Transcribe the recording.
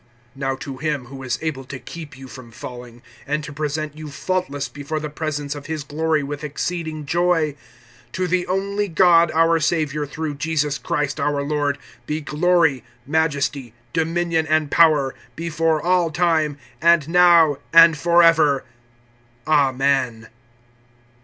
(24)Now to him who is able to keep you from falling, and to present you faultless before the presence of his glory with exceeding joy; (25)to the only God our Savior, through Jesus Christ our Lord, be glory, majesty, dominion, and power, before all time, and now, and forever. Amen.